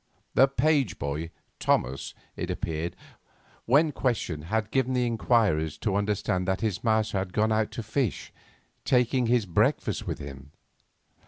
The page boy, Thomas, it appeared, when questioned, had given the inquirers to understand that his master had gone out to fish, taking his breakfast with him.